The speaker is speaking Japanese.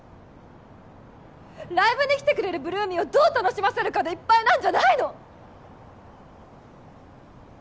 ライブに来てくれる８ＬＯＯＭＹをどう楽しませるかでいっぱいなんじゃないの？